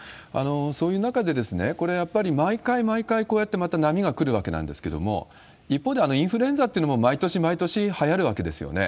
そういう中で、これ、やっぱり毎回毎回、こうやってまた波が来るわけなんですけれども、一方で、インフルエンザってのも毎年毎年はやるわけですよね。